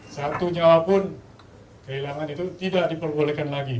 satu nyawapun kehilangan itu tidak diperbolehkan lagi